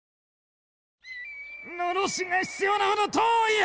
のろしが必要なほど遠いよ！